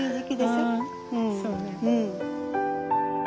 そうね。